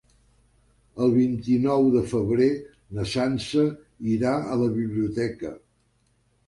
El vint-i-nou de febrer na Sança irà a la biblioteca.